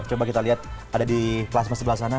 coba kita lihat ada di plasma sebelah sana